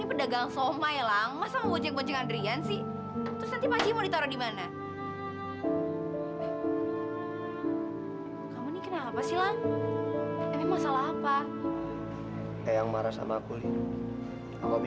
itu artinya kamu sayang sama dia